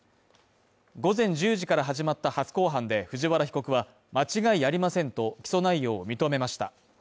午前１０時から始まった初公判で藤原被告は間違いありませんと起訴内容を認めました。